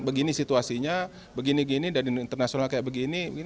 begini situasinya begini gini dan internasional kayak begini